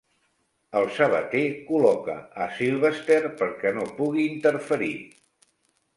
El sabater col·loca a Sylvester perquè no pugui interferir.